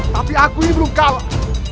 tapi aku ini belum kalah